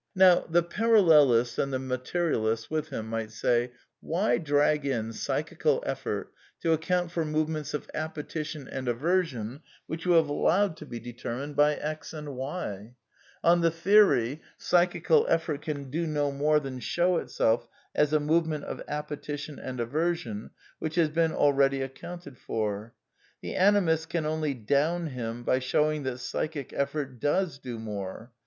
'' Now, the paralleliat and the materialist with him mi^t say: Why drag in psychical effort to account for move ments of appetition and aversion which you have allowed to be determined by x and yi On the theory, psychical effort can do no more than show itself as a movement of appetition and aversion which has been already accounted for. The Animist can only " down '' him by showing that psychic effort does do more.